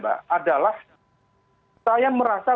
adalah saya merasa